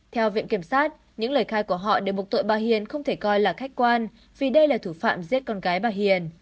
theo viện kiểm sát những lời khai của họ để buộc tội bà hiền không thể coi là khách quan vì đây là thủ phạm giết con gái bà hiền